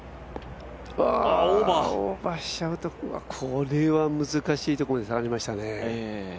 オーバーしちゃうと、これは難しいところまで下がりましたね。